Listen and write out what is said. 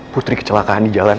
putri kecelakaan di jalan